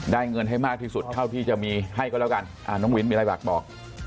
เงินให้มากที่สุดเท่าที่จะมีให้ก็แล้วกันน้องวินมีอะไรฝากบอก